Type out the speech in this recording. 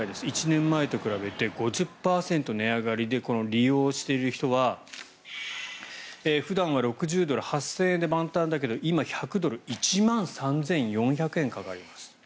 １年前と比べて５０％値上がりで利用している人は普段は６０ドル、８０００円で満タンだけど今、１００ドル１万３４００円かかると。